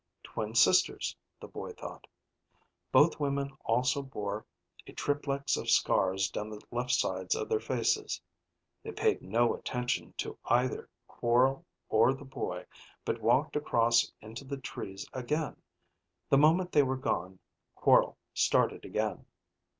Twin sisters, the boy thought. Both women also bore a triplex of scars down the left sides of their faces. They paid no attention to either Quorl or the boy, but walked across into the trees again. The moment they were gone, Quorl started again.